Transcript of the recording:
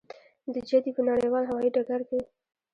د جدې په نړیوال هوايي ډګر کې.